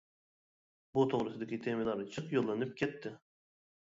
بۇ توغرىسىدىكى تېمىلار جىق يوللىنىپ كەتتى.